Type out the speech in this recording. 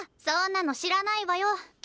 そんなの知らないわよ。